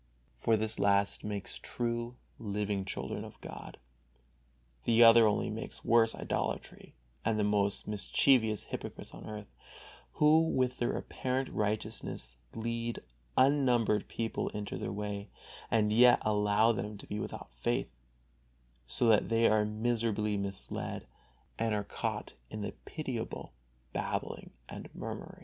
For this last makes true, living children of God, the other only makes worse idolatry and the most mischievous hypocrites on earth, who with their apparent righteousness lead unnumbered people into their way, and yet allow them to be without faith, so that they are miserably misled, and are caught in the pitiable babbling and mummery.